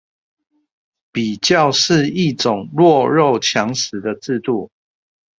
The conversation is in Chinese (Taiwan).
比較是一種弱肉強食的制度